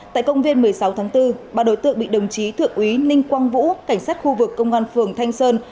tại công viên một mươi sáu tháng bốn ba đối tượng bị đồng chí thượng úy ninh quang vũ cảnh sát khu vực công an phường thanh sơn